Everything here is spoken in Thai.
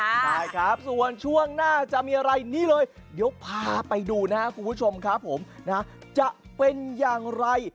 ใช่ครับส่วนช่วงหน้าจะมีอะไรนี่เลยเดี๋ยวพาไปดูนะครับคุณผู้ชมครับผมนะจะเป็นอย่างไร